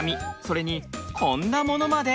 それにこんなものまで。